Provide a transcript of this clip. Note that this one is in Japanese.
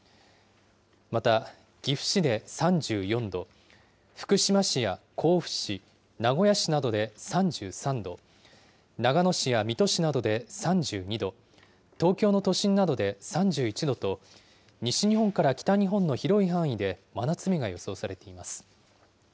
また岐阜市で３４度、福島市や甲府市、名古屋市などで３３度、長野市や水戸市などで３２度、東京の都心などで３１度と、西日本から北日本の広い範囲で、真夏日が予想されています。